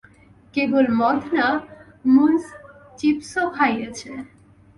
কেবল মদ না, মুনচিপসও খাইয়েছি।